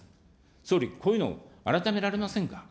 総理、こういうの、改められませんか。